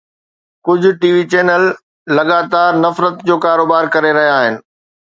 ڪجهه T V channel لڳاتار نفرت جو ڪاروبار ڪري رهيا آهن.